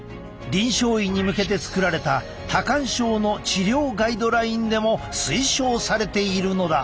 臨床医に向けて作られた多汗症の治療ガイドラインでも推奨されているのだ。